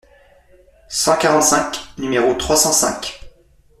cent quarante-cinq, nº trois cent cinq).